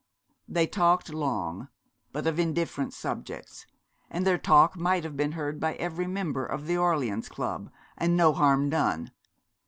They talked long, but of indifferent subjects; and their talk might have been heard by every member of the Orleans Club, and no harm done.